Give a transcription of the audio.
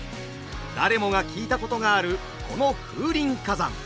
誰もが聞いたことがあるこの「風林火山」。